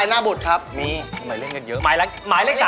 บอกชื่อตัวละครในหนังตะลุงมา๓ชื่อครับ